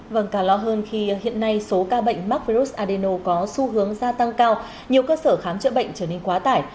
vâng ca lo hơn khi hiện nay số ca bệnh mắc virus adeno có xu hướng gia tăng cao nhiều cơ sở khám chữa bệnh trở nên quá tải